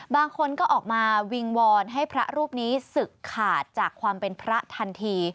บางคนก็ออกมาวิงวอนให้พระรูปนี้ศึกขาดจากความเป็นพระทันที